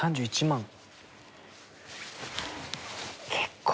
３１万。